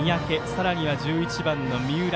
さらには１１番の三浦。